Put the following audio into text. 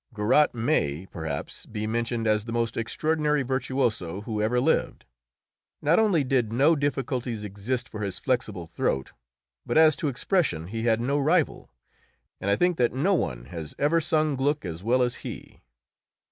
Garat may, perhaps, be mentioned as the most extraordinary virtuoso who ever lived. Not only did no difficulties exist for his flexible throat, but as to expression he had no rival, and I think that no one has ever sung Gluck as well as he.